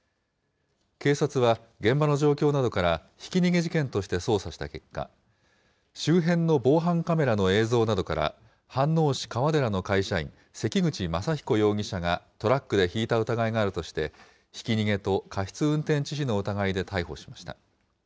警察は現場の状況などから、ひき逃げ事件として捜査した結果、周辺の防犯カメラの映像などから、飯能市川寺の会社員、関口雅彦容疑者がトラックでひいた疑いがあるとして、ひき逃げと過失運転致死の疑いで逮捕しました。